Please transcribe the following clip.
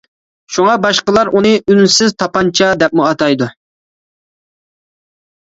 شۇڭا باشقىلار ئۇنى «ئۈنسىز تاپانچا» دەپمۇ ئاتايدۇ.